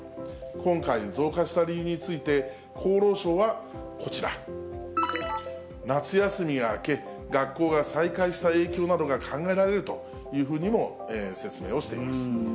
今回、増加した理由について、厚労省はこちら、夏休みが明け、学校が再開した影響などが考えられるというふうにも説明をしています。